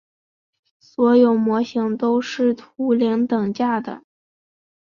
所有模型都是图灵等价的。